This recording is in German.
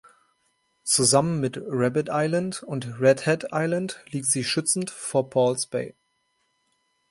Zusammen mit Rabbit Island und Red Head Island liegt sie schützend vor "Pauls Bay".